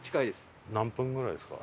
何分ぐらいですか？